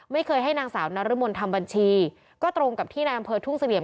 ไม่เคยให้นางสาวนรมนทำบัญชีก็ตรงกับที่นายอำเภอทุ่งเสลี่ยม